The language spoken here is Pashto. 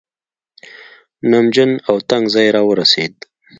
نمجن او تنګ ځای راورسېد.